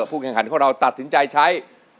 แข่งขันของเราตัดสินใจใช้